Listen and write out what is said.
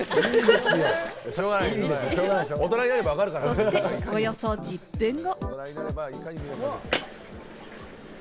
そして、およそ１０分後。